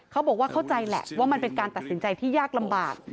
เขาบอกว่าเข้าใจแหละว่ามันเป็นการตัดสินใจที่ยากลำบาก